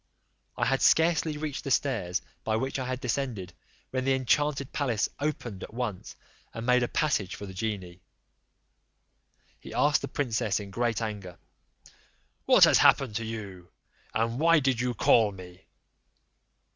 I had scarcely reached the stairs by which I had descended, when the enchanted palace opened at once, and made a passage for the genie: he asked the princess in great anger, "What has happened to you, and why did you call me?"